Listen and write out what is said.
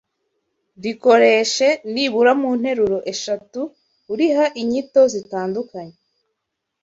Rikoreshe nibura mu nteruro eshatu uriha inyito zitandukanye